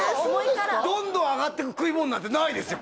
どんどん上がっていく食いもんなんてないですよ